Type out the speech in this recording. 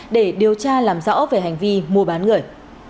để điều tra làm rõ về hành vi mua bán người